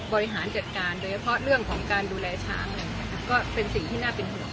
บริหารจัดการโดยเฉพาะเรื่องของการดูแลช้างอะไรอย่างนี้ก็เป็นสิ่งที่น่าเป็นห่วง